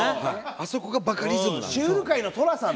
あそこがバカリズムなんです。